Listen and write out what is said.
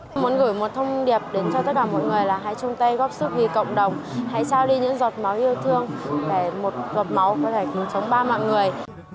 mình muốn gửi một thông điệp đến cho tất cả mọi người là hãy chung tay góp sức vì cộng đồng hãy trao đi những giọt máu yêu thương để một giọt máu có thể chống ba mạng người